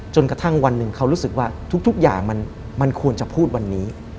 จนกระทั่งวันหนึ่งเขารู้สึกว่าทุกอย่างมันควรจะพูดวันนี้